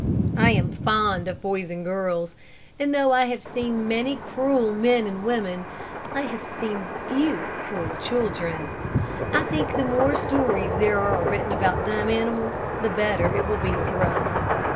I am fond of boys and girls, and though I have seen many cruel men and women, I have seen few cruel children. I think the more stories there are written about dumb animals, the better it will be for us.